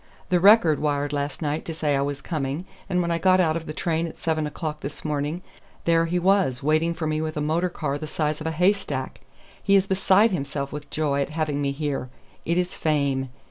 The Record wired last night to say I was coming, and when I got out of the train at seven o'clock this morning, there he was waiting for me with a motor car the size of a haystack. He is beside himself with joy at having me here. It is fame."